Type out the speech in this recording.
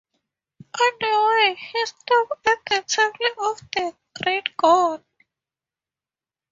On the way, he stopped at the temple of the great god.